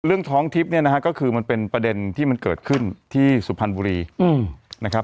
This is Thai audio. ท้องทิพย์เนี่ยนะฮะก็คือมันเป็นประเด็นที่มันเกิดขึ้นที่สุพรรณบุรีนะครับ